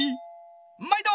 まいど！